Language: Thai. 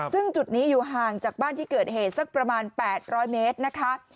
ซึ่งจุดนี้อยู่ห่างจากบ้านที่เกิดเหตุสักประมาณ๘๐๐เมตรนะคะ